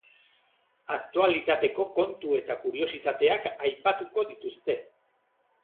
Aktualitateko kontu eta kuriositateak aipatuko dituzte.